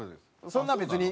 そんな別に。